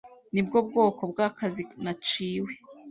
Nibwo bwoko bw'akazi naciwe.